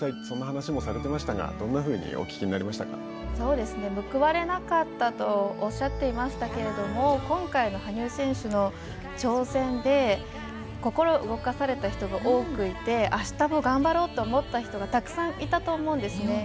そんな話をされてましたがどんなふうに報われなかったとおっしゃっていましたけれども今回の羽生選手の挑戦で心を動かされた人が多くいてあしたも頑張ろうと思った人がたくさんいたと思うんですね。